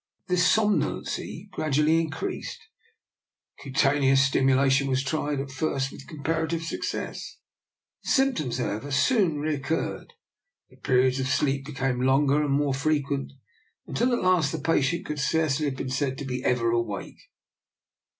This som nolency gradually increased; cutaneous stim ulation was tried, at first with comparative success; the symptoms, however, soon re curred, the periods of sleep became longer and more frequent, until at last the patient could scarcely have been said to be ever awake.